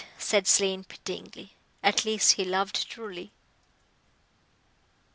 said Slane pityingly, "at least he loved truly."